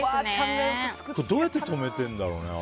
これ、どうやって留めてるんだろうね。